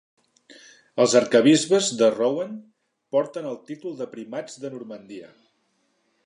Els arquebisbes de Rouen porten el títol de primats de Normandia.